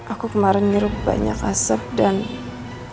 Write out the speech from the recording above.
aku kemaren ngerubah banyak asap dan ada yang berbunyi